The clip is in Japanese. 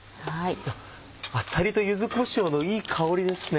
あさりと柚子こしょうのいい香りですね。